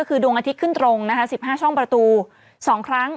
คือดวงอาทิตย์ขึ้นตรงนะคะ๑๕ช่องประตู๒ครั้ง